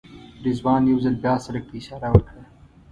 رضوان یو ځل بیا سړک ته اشاره وکړه.